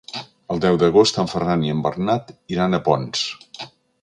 El deu d'agost en Ferran i en Bernat iran a Ponts.